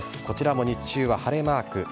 こちらも日中は晴れマーク。